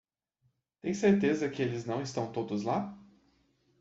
Tem certeza que eles não estão todos lá?